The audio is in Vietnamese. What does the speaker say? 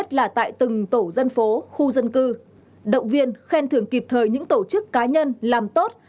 từng tổ dân phố khu dân cư động viên khen thưởng kịp thời những tổ chức cá nhân làm tốt